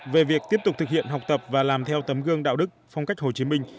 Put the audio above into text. về việc tiếp tục thực hiện học tập và làm theo tấm gương đạo đức phong cách hồ chí minh